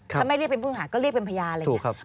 ถ้าไม่เรียกเป็นผู้หาก็เรียกเป็นพยานอะไรอย่างนี้